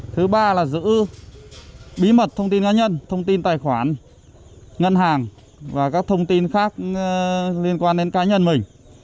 thứ ba là giữ bí mật thông tin cá nhân thông tin tài khoản ngân hàng và các thông tin khác liên quan đến cá nhân mình